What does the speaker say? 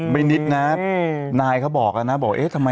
ไม่นิดนะนายก็บอกนะบอกเอ๊ะทำไม